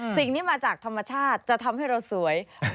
สิ่งนี้มาจากธรรมชาติจะทำให้เราสวย